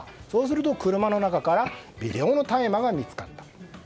そうすると、車の中から微量の大麻が見つかった。